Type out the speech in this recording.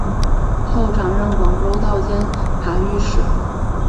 后任掌广东道监察御史。